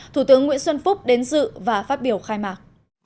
thủ tướng nguyễn xuân phúc đến dự và phát biểu khai mạc